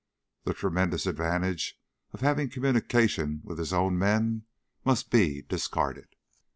The tremendous advantage of having communication with his own men must be discarded.